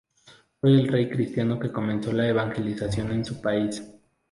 Fue un rey cristiano que comenzó la evangelización en su país.